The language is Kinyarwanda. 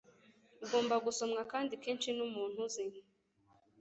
Ugomba gusomwa kandi kenshi n'umuntu uzi